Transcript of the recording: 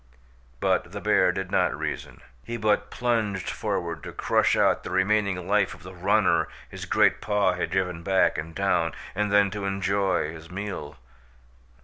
But the bear did not reason; he but plunged forward to crush out the remaining life of the runner his great paw had driven back and down and then to enjoy his meal.